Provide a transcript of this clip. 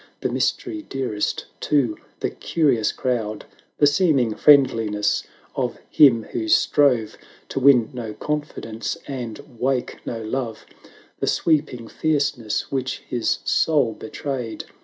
The mystery dearest to the curious crowd ; The seeming friendliness of him who strove To win no confidence, and wake no love; The sweeping fierceness which his soul betrayed.